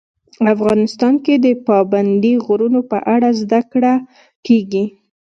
افغانستان کې د پابندي غرونو په اړه زده کړه کېږي.